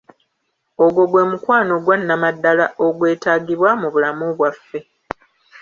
Ogwo gwe mukwano ogwa Nnamaddala ogwetaagibwa mu bulamu bwaffe.